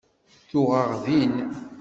Tuɣ-aɣ din.